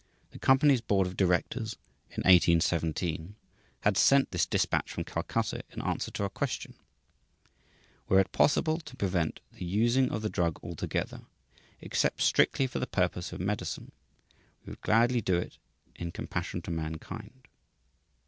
The company's board of directors, in 1817, had sent this dispatch from Calcutta in answer to a question, "Were it possible to prevent the using of the drug altogether, except strictly for the purpose of medicine, we would gladly do it in compassion to mankind."